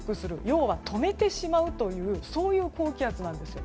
要は止めてしまうというそういう高気圧なんです。